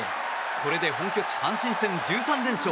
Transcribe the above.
これで本拠地阪神戦１３連勝。